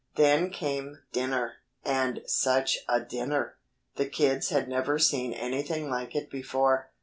Then came dinner, and such a dinner! The kids had never seen anything like it before.